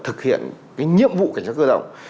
thực hiện cái nhiệm vụ cảnh sát cơ động